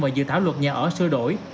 và dự thảo luật nhà ở sửa đổi